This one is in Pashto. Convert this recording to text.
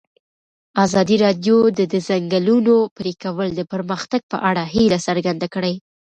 ازادي راډیو د د ځنګلونو پرېکول د پرمختګ په اړه هیله څرګنده کړې.